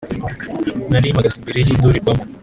Narimagaze imbere y’indorerwamo